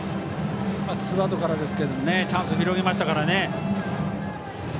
ツーアウトからですがチャンスを広げました。